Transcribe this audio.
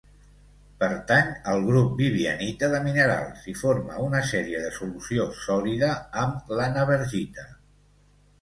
Pertany al grup vivianita de minerals, i forma una sèrie de solució sòlida amb l'annabergita.